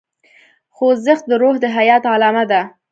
خوځښت د روح د حیات علامه ده.